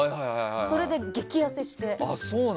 それで激やせして。